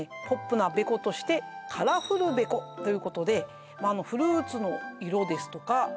ポップなべことしてカラフルべこということでフルーツの色ですとか